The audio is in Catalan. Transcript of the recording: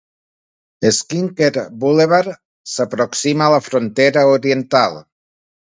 Skinker Boulevard s'aproxima a la frontera oriental.